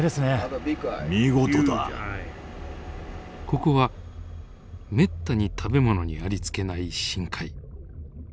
ここはめったに食べ物にありつけない深海。